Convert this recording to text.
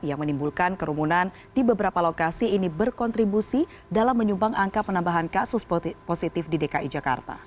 yang menimbulkan kerumunan di beberapa lokasi ini berkontribusi dalam menyumbang angka penambahan kasus positif di dki jakarta